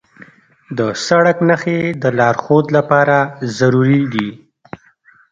د سړک نښې د لارښود لپاره ضروري دي.